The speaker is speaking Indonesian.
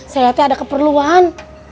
saya hati ada keperluan